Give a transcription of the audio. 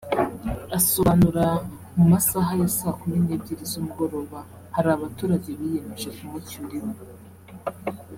Asobanura mu masaha ya saa kumi n’ebyiri z’umugoroba hari abaturage biyemeje kumucyura iwe